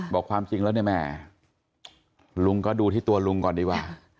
บอกความจริงแล้วเนี่ยแม่ลุงก็ดูที่ตัวลุงก่อนดีกว่า